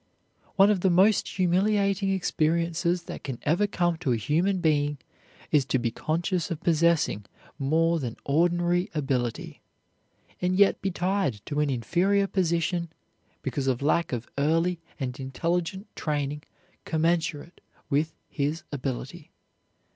One of the most humiliating experiences that can ever come to a human being is to be conscious of possessing more than ordinary ability, and yet be tied to an inferior position because of lack of early and intelligent training commensurate with his ability.